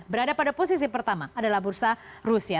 berada pada posisi pertama adalah bursa rusia